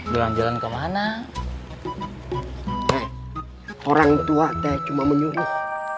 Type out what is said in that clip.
jalan jalan kemana orang tua kayak cuma menyuruh